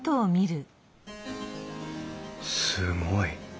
すごい。